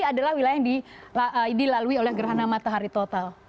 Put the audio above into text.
adalah wilayah yang dilalui oleh gerhana matahari total